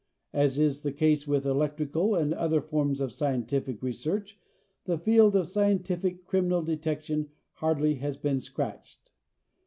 As is the case with electrical and other forms of scientific research the field of scientific criminal detection hardly has been scratched.